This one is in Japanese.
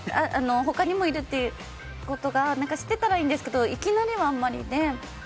他にもいるってことが知ってたらいいんですけどいきなりは、あんまりね。